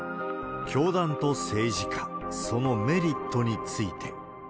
教団と政治家、そのメリットについて。